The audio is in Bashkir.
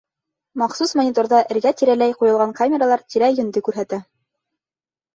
Махсус мониторҙа эргә-тирәләй ҡуйылған камералар тирә-йүнде күрһәтә.